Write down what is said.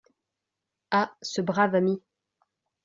Ah ! ce brave ami !